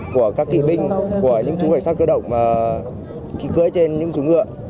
của các kỵ binh của những chú cảnh sát cơ động khi cưới trên những chú ngựa